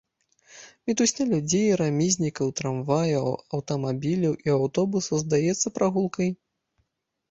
Мітусня людзей, рамізнікаў, трамваяў, аўтамабіляў і аўтобусаў здаецца прагулкай.